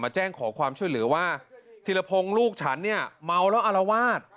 แจ้งขอความช่วยเหลือว่าธีรพงศ์ลูกฉันเนี่ยเมาแล้วอารวาส